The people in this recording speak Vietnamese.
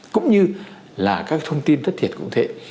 cũng như là các thông tin tất thiệt cũng thế